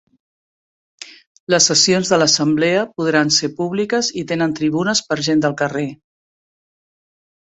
Les sessions de l'Assemblea podran ser públiques i tenen tribunes per a gent del carrer.